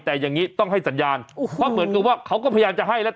แต่อย่างนี้ต้องให้สัญญาณเพราะเหมือนกับว่าเขาก็พยายามจะให้แล้ว